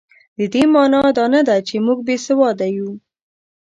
د دې مانا دا نه ده چې موږ بې سواده یو.